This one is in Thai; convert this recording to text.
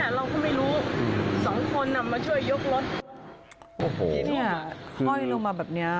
เราก็ไม่รู้สองคนอ่ะมาช่วยยกรถโอ้โหเนี่ยห้อยลงมาแบบเนี้ย